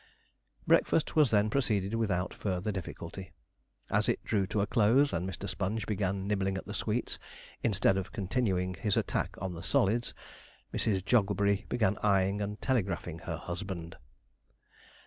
Breakfast was then proceeded with without further difficulty. As it drew to a close, and Mr. Sponge began nibbling at the sweets instead of continuing his attack on the solids, Mrs. Jogglebury began eyeing and telegraphing her husband.